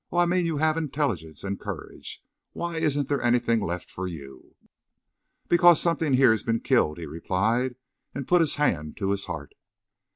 I mean you have intelligence and courage. Why isn't there anything left for you?" "Because something here's been killed," he replied, and put his hand to his heart.